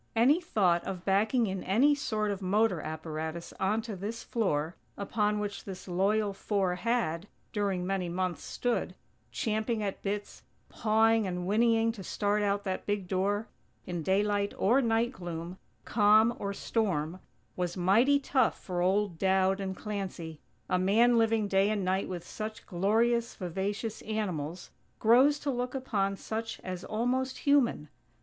Any thought of backing in any sort of motor apparatus onto this floor, upon which this loyal four had, during many months, stood, champing at bits, pawing and whinnying to start out that big door, in daylight or night gloom, calm or storm, was mighty tough for old Dowd and Clancy. A man living day and night with such glorious, vivacious animals, grows to look upon such as almost human.